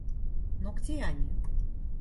Но где они?